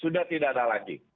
sudah tidak ada lagi